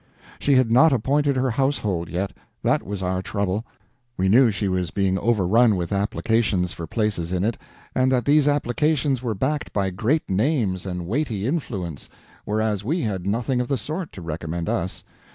She had not appointed her household yet—that was our trouble. We knew she was being overrun with applications for places in it, and that these applications were backed by great names and weighty influence, whereas we had nothing of the sort to recommend us.